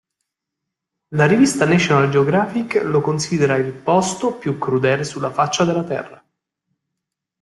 La rivista National Geographic lo considera "Il posto più crudele sulla faccia della Terra".